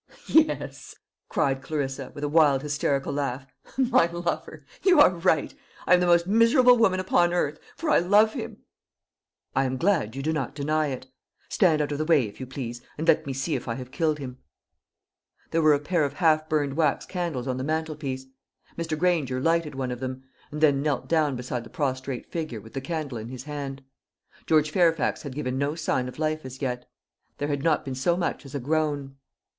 "Yes," cried Clarissa, with a wild hysterical laugh, "my lover! You are right. I am the most miserable woman upon earth, for I love him." "I am glad you do not deny it. Stand out of the way, if you please, and let me see if I have killed him." There were a pair of half burned wax candles on the mantelpiece. Mr. Granger lighted one of them, and then knelt down beside the prostrate figure with the candle in his hand. George Fairfax had given no sign of life as yet. There had not been so much as a groan.